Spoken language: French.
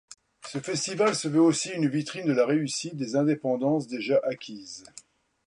Ce festival se veut aussi une vitrine de la réussite des indépendances déjà acquises.